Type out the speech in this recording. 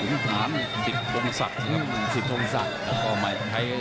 อุณหารสิบโธงศักรณ์